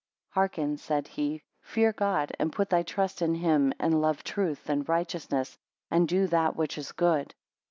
Hearken, said he, Fear God, and put thy trust in him, and love truth, and righteousness, and do that which is good.